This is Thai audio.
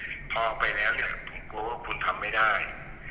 พอออกไปแล้วเนี่ยผมกลัวว่าคุณทำไม่ได้